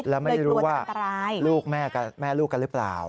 แล้วไม่รู้ว่าลูกแม่ลูกกันหรือเปล่า